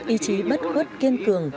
ý chí bất khuất kiên cường